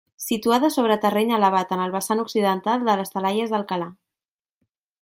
Situada sobre terreny elevat en el vessant occidental de les Talaies d'Alcalà.